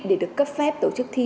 để được cấp phép tổ chức thi